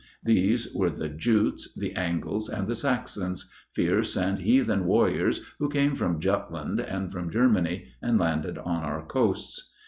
These were the Jutes, the Angles, and the Saxons, fierce and heathen warriors who came from Jutland and from Germany, and landed on our coasts.